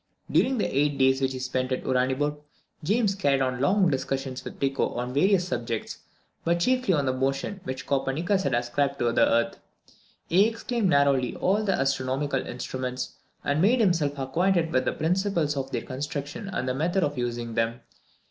During the eight days which he spent at Uraniburg, James carried on long discussions with Tycho on various subjects, but chiefly on the motion which Copernicus had ascribed to the earth. He examined narrowly all the astronomical instruments, and made himself acquainted with the principles of their construction and the method of using them.